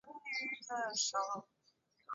浅裂翠雀花为毛茛科翠雀属的植物。